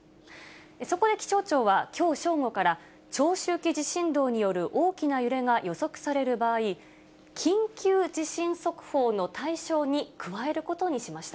そこで気象庁はきょう正午から、長周期地震動による大きな揺れが予測される場合、緊急地震速報の対象に加えることにしました。